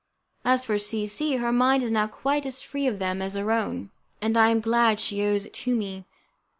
As for C C , her mind is now quite as free of them as our own, and I am glad she owes it to me.